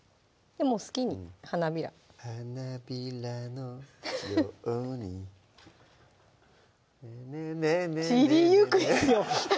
もう好きに花びら「花びらのように」「ネネネ」「散りゆく」ですよ！